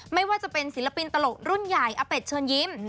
ไม่ว่าจะเป็นศิลปินตลกรุ่นใหญ่อเป็ดเชิญยิ้ม